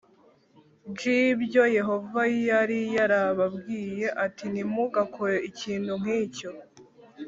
j ibyo Yehova yari yarababwiye ati ntimugakore ikintu nk icyo